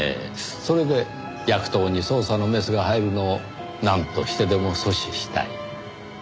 それでヤクトーに捜査のメスが入るのをなんとしてでも阻止したい。